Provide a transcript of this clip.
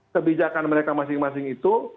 kebijakan mereka masing masing itu